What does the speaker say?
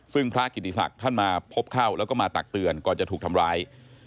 ซึ่งพระกิติศักดิ์ท่านมาพบเข้าแล้วก็มาตักเตือนก่อนจะถูกทำร้าย